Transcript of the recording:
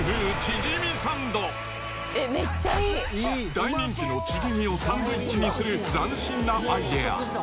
大人気のチヂミをサンドイッチにする斬新なアイデア。